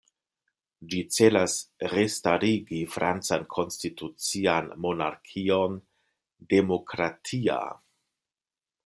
Ĝi celas restarigi francan konstitucian monarkion "demokratia".